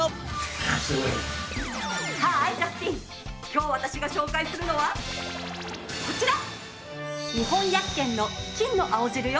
今日私が紹介するのはこちら！